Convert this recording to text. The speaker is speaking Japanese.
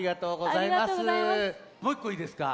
もういっこいいですか？